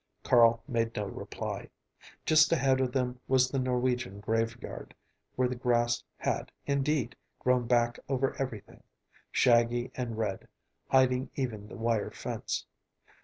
Carl made no reply. Just ahead of them was the Norwegian graveyard, where the grass had, indeed, grown back over everything, shaggy and red, hiding even the wire fence.